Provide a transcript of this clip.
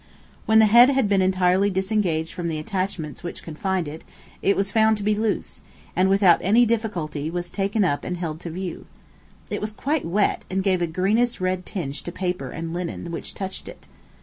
When the head had been entirely disengaged from the attachments which confined it; it was found to be loose, and without any difficulty was taken up and held to view. It was quite wet, and gave a greenish red tinge to paper and linen which touched it.